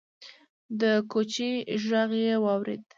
د کوچي غږ يې واورېد: